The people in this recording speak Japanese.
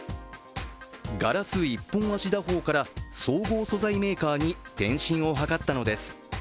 ガラス一本足打法から総合素材メーカーに転身を図ったのです。